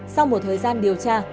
sau một thời gian điều tra